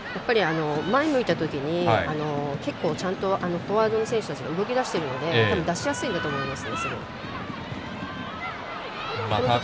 前を向いたときに結構、フォワードの選手たちが動きだしてるので、たぶん出しやすいんだと思います。